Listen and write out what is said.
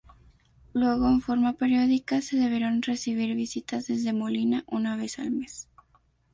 Luego, en forma periódica, se debieron recibir visitas desde Molina una vez al mes.